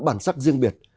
bản sắc riêng biệt